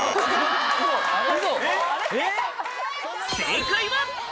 正解は。